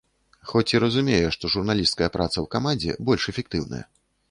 Хоць і разумею, што журналісцкая праца ў камандзе больш эфектыўная.